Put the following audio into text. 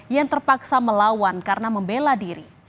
yang terpaksa melawan karena membela diri